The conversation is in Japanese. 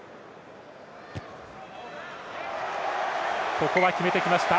ここは決めてきました